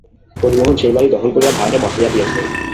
হরিমোহন সে বাড়ি দখল করিয়া ভাড়াটে বসাইয়া দিয়াছেন।